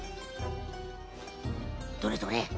どれどれ。